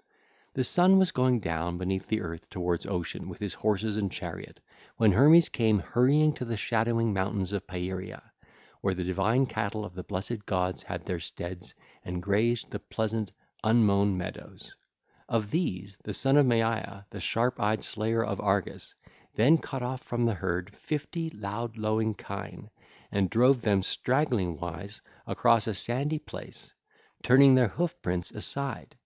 (ll. 68 86) The Sun was going down beneath the earth towards Ocean with his horses and chariot when Hermes came hurrying to the shadowy mountains of Pieria, where the divine cattle of the blessed gods had their steads and grazed the pleasant, unmown meadows. Of these the Son of Maia, the sharp eyed slayer of Argus then cut off from the herd fifty loud lowing kine, and drove them straggling wise across a sandy place, turning their hoof prints aside.